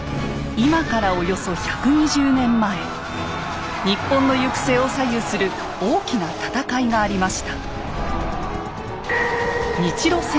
今からおよそ１２０年前日本の行く末を左右する大きな戦いがありました。